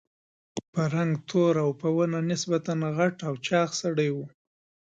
په رنګ تور او په ونه نسبتاً غټ او چاغ سړی و.